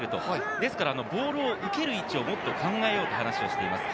ですから、ボールを受ける位置をもっと考えようと話をしています。